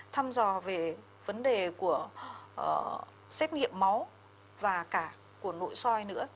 thăm dò về vấn đề của xét nghiệm máu và cả của nội soi nữa